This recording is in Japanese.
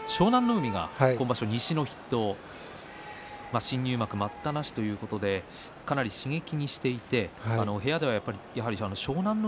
海が今場所、西の筆頭新入幕待ったなしということでかなり刺激にしていて部屋では湘南乃